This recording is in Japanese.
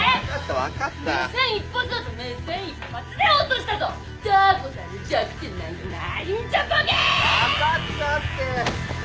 分かったって。